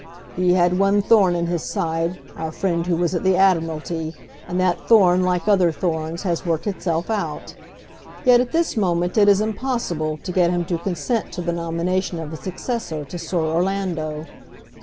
He had one thorn in his side, our friend who was at the Admiralty, and that thorn like other thorns has worked itself out. Yet at this moment it is impossible to get him to consent to the nomination of a successor to Sir Orlando."